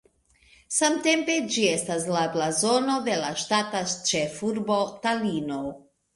Samtempe ĝi estas la blazono de la ŝtata ĉefurbo Talino.